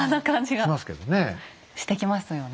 してきますよね。